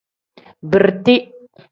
Biriti.